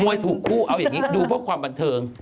วยถูกคู่เอาอย่างนี้ดูเพื่อความบันเทิง